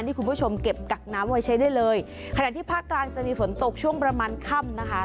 คุณผู้ชมเก็บกักน้ำไว้ใช้ได้เลยขณะที่ภาคกลางจะมีฝนตกช่วงประมาณค่ำนะคะ